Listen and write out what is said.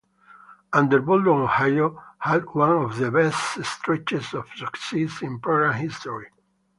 Under Boldon Ohio had one of the best stretches of success in program history.